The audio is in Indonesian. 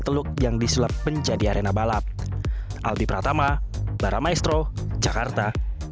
teluk yang disulap menjadi arena balap aldi pratama para maestro jakarta